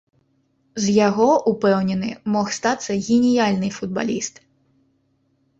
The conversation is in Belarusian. З яго, упэўнены, мог стацца геніяльны футбаліст.